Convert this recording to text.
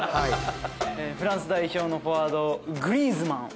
フランス代表のフォワードグリーズマン。